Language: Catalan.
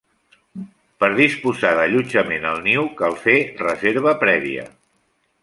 Per disposar d'allotjament al Niu cal fer reserva prèvia.